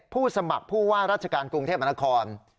ผู้สมัครผู้ว่าราชการกรุงเทพมนาคม